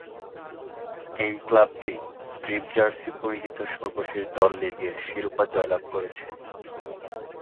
এই ক্লাবটি strip jersey পরিহিত সর্বশেষ দল লীগের শিরোপা জয়লাভ করেছে।